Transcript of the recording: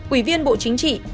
ủy viên bộ chính trị